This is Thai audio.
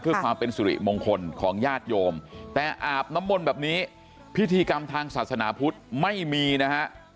เพื่อความเป็นสุริมงคลของญาติโยมแต่อาบน้ำมนต์แบบนี้พิธีกรรมทางศาสนาพุทธไม่มีนะฮะ